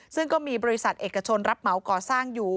ซึ่งก็มีบริษัทเอกชนรับเหมาก่อสร้างอยู่